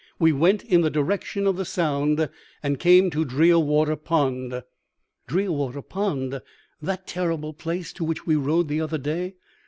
We went in the direction of the sound, and came to Drearwater Pond.' "'Drearwater Pond? That terrible place to which we rode the other day?'